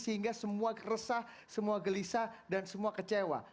sehingga semua resah semua gelisah dan semua kecewa